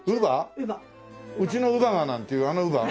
「うちの乳母」がなんていうあの乳母？